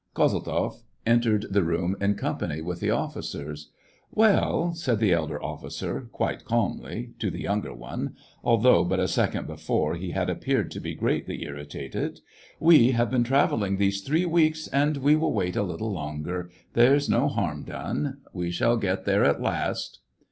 Kozeltzoff entered the room in company with the officers. *' Well," said the elder officer, quite calmly, to the younger one, although but a second before he had appeared to be greatly irritated, we have been travelling these three weeks, and we will wait a little longer. There's no harm done. We shall get there at last."